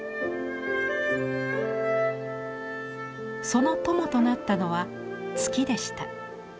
その友となったのは月でした。